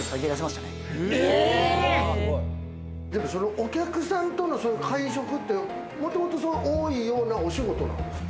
お客さんとの会食ってもともと多いお仕事なんですか？